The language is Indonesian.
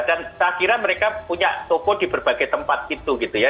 dan saya kira mereka punya toko di berbagai tempat gitu ya